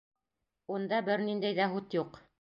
Унда бер ниндәй ҙә һут юҡ.